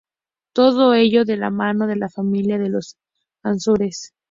Todo ello de la mano de la familia de los Ansúrez.